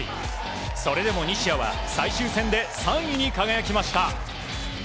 それでも西矢は最終戦で３位に輝きました。